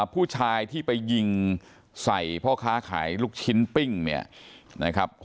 ผู้ชายที่ไปยิงใส่พ่อค้าขายลูกชิ้นปิ้งเนี่ยนะครับ